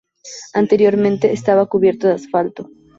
Anteriormente, estaba cubierto de asfalto.